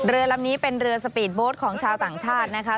เรือลำนี้เป็นเรือสปีดโบสต์ของชาวต่างชาตินะคะ